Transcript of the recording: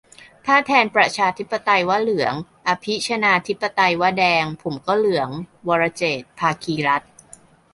ถ้าแทนประชาธิปไตยว่าเหลือง อภิชนาธิปไตยว่าแดง ผมก็เหลือง - วรเจตน์ ภาคีรัตน์